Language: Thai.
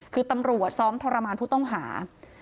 คือตำรวจซ้อมทรมานผู้ต้องหา